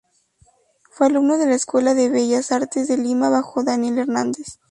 Fue Alumno de la Escuela de Bellas Artes de Lima bajo Daniel Hernandez.